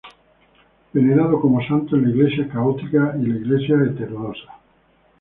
Venerado como santo en la Iglesia católica y la Iglesia ortodoxa.